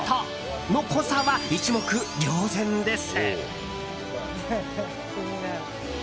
その濃さは一目瞭然です。